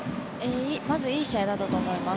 まずいい試合だったと思います。